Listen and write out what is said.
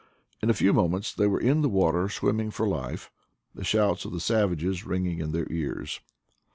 In a few mo ments they were in the water swimming for life, the shouts of the savages ringing in their ears.